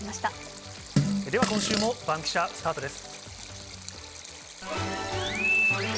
では今週もバンキシャスタートです。